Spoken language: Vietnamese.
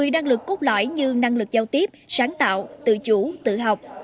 một mươi năng lực cốt lõi như năng lực giao tiếp sáng tạo tự chủ tự học